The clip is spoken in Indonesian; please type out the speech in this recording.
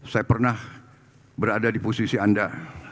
saya pernah berada di posisi anda